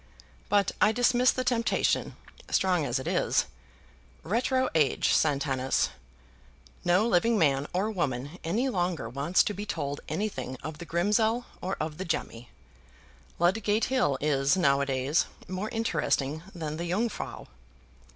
But I dismiss the temptation, strong as it is. Retro age, Satanas. No living man or woman any longer wants to be told anything of the Grimsell or of the Gemmi. Ludgate Hill is now a days more interesting than the Jungfrau.